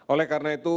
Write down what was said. oleh karena itu